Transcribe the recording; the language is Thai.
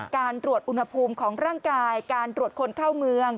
การตรวจอุณหภูมิของร่างกายการตรวจคนเข้าเมือง